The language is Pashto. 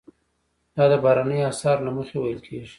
دا د بهرنیو اسعارو له مخې ویل کیږي.